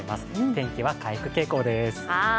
天気は回復傾向です。